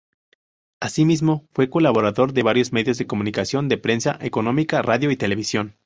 Asímismo, fue colaborador de varios medios de comunicación de prensa económica, radio y televisión.